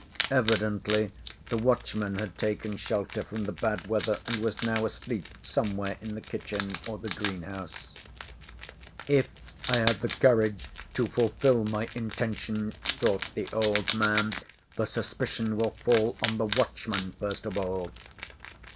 Evidently the watchman had taken shelter from the bad weather and was now asleep somewhere in the kitchen or the greenhouse. "If I have the courage to fulfil my intention," thought the old man, "the suspicion will fall on the watchman first of all."